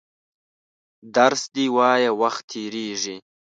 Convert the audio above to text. درس دي وایه وخت تېرېږي!